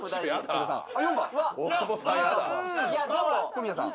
小宮さん。